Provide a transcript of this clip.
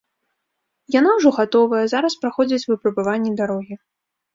Яна ўжо гатовая, зараз праходзяць выпрабаванні дарогі.